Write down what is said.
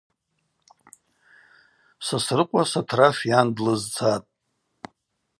Сосрыкъва Сотраш йан длызцатӏ.